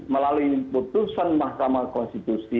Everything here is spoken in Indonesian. melalui putusan makamah konstitusi